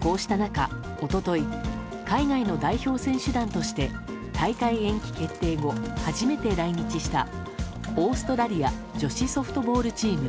こうした中、一昨日海外の代表選手団として大会延期決定後初めて来日したオーストラリア女子ソフトボールチーム。